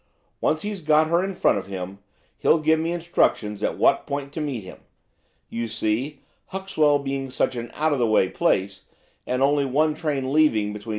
Once he's got her in front of him he'll give me instructions at what point to meet him. You see, Huxwell being such an out of the way place, and only one train leaving between 7.